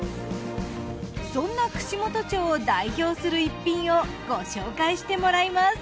そんな串本町を代表する逸品をご紹介してもらいます。